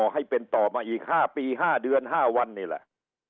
ให้เป็นต่อมาอีก๕ปี๕เดือน๕วันนี่แหละ